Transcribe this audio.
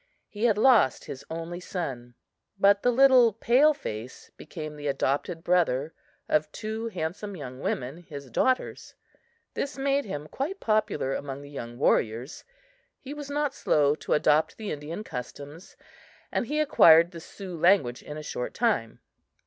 He had lost his only son; but the little pale face became the adopted brother of two handsome young women, his daughters. This made him quite popular among the young warriors. He was not slow to adopt the Indian customs, and he acquired the Sioux language in a short time.